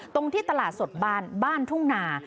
ตรงที่ตลาดสดบ้านทุ่งนา